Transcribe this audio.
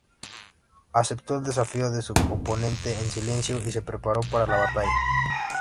Aceptó el desafío de su oponente en silencio, y se preparó para la batalla.